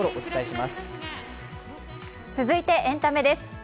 続いてエンタメです。